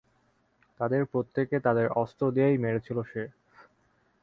তাদের প্রত্যেককে, তাদের অস্ত্র দিয়েই মেরেছিল সে।